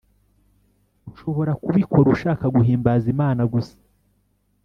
ushobora kubikora ushaka guhimbaza Imana gusa